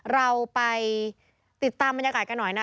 เราไปติดตามบรรยากาศกันหน่อยนะ